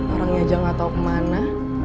orangnya aja gak tau kemana